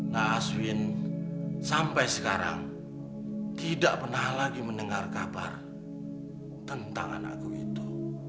nah aswin sampai sekarang tidak pernah lagi mendengar kabar tentang anakku itu